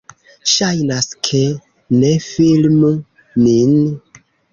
Ŝajnas, ke... - Ne filmu nin!